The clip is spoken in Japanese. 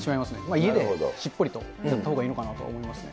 家でしっぽりとやったほうがいいのかなと思いますね。